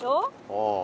ああ。